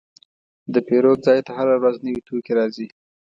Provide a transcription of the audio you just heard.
د پیرود ځای ته هره ورځ نوي توکي راځي.